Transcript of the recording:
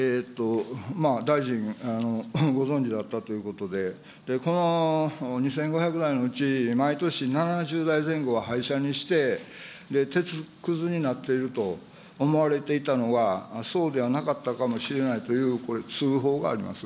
大臣、ご存じだったということで、この２５００台のうち、毎年７０台前後は廃車にして、鉄くずになっていると思われていたのが、そうではなかったかもしれないという通報があります。